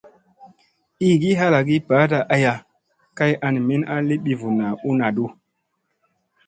Iigi halangi baaɗa aya kay an min a li bivunna u naɗu.